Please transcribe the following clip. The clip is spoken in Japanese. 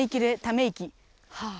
はい。